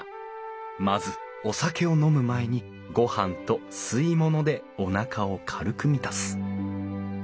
まずお酒を飲む前にご飯と吸い物でおなかを軽く満たす。